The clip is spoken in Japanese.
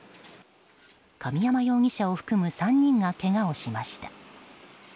神山容疑者を含む３人がけがをしました。